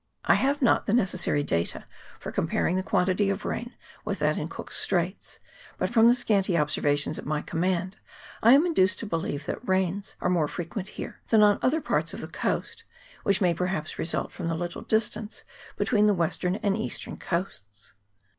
I have not the necessary data for comparing the quantity of rain with that in Cook's Straits, but from the scanty observations at my command I am induced to believe that rains are more frequent here than on other parts of the coast, which may perhaps result from the little distance between the western and eastern coasts.